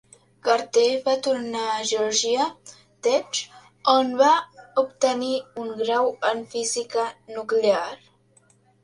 Carter va tornar a Georgia Tech, on va obtenir un grau en física nuclear.